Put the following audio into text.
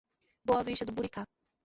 Boa Vista do Buricá